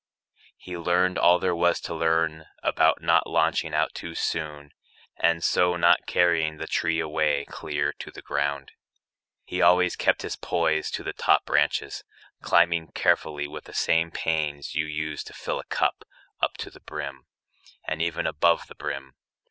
He learned all there was To learn about not launching out too soon And so not carrying the tree away Clear to the ground. He always kept his poise To the top branches, climbing carefully With the same pains you use to fill a cup Up to the brim, and even above the brim.